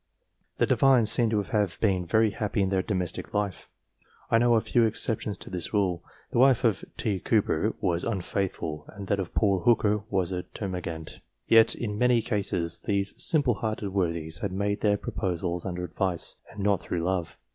The Divines seem to have been very happy in their domestic life. I know of few exceptions to this rule : the wife of T. Cooper was unfaithful, and that of poor Hooker was a termagant. Yet in many cases, these simple hearted worthies had made their proposals under advice, and not through love.